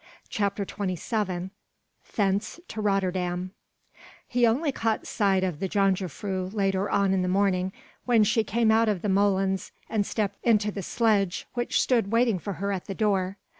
CHAPTER XXVII THENCE TO ROTTERDAM He only caught sight of the jongejuffrouw later on in the morning when she came out of the molens and stepped into the sledge which stood waiting for her at the door.